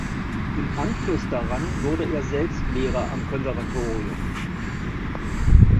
Im Anschluss daran wurde er selbst Lehrer am Konservatorium.